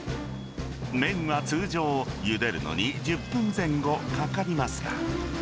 麺は通常、ゆでるのに１０分前後かかりますが。